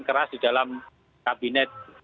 keras di dalam kabinet